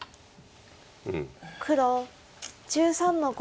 黒１３の五。